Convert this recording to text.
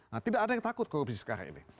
nah tidak ada yang takut korupsi sekarang ini